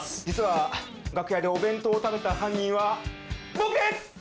実は楽屋でお弁当を食べた犯人は僕です！